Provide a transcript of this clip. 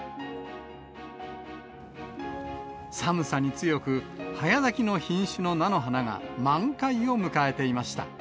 寒さに強く、早咲きの品種の菜の花が満開を迎えていました。